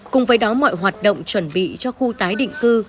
cùng với đó mọi hoạt động chuẩn bị cho khu tái định cư